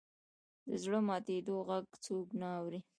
د زړه ماتېدو ږغ څوک نه اوري.